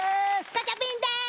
ガチャピンです！